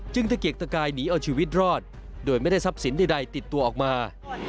ตะเกียกตะกายหนีเอาชีวิตรอดโดยไม่ได้ทรัพย์สินใดติดตัวออกมา